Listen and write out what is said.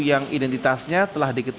yang identitasnya telah dikendali